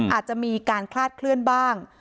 อาจจะมีการคลาดเคลื่อนบ้าง